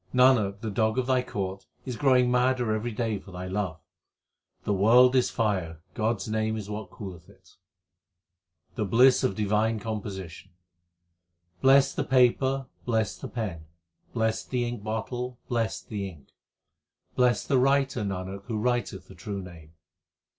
Nanak, the dog of Thy court, is growing madder every day for Thy love. The world is fire, God s name is what cooleth it. The bliss of divine composition : Blest the paper, blest the pen, blest the ink bottle, blest the ink, Blest the writer, Nanak, who writeth the True Name.